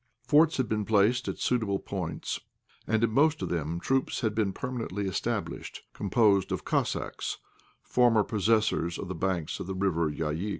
Forts had been placed at suitable points, and in most of them troops had been permanently established, composed of Cossacks, formerly possessors of the banks of the River Yaïk.